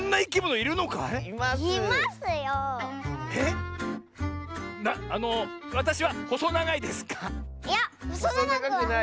いやほそながくはない。